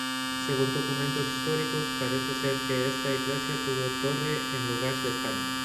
Según documentos históricos parece ser que esta iglesia tuvo torre en lugar de espadaña.